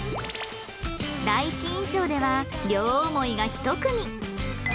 第一印象では両思いが１組